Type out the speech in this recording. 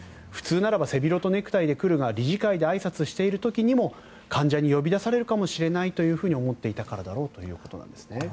普通なら背広とネクタイで来るが理事会であいさつしている時にも患者に呼び出されるかもしれないと思っていたからだろうということですね。